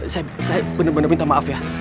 saya bener bener minta maaf ya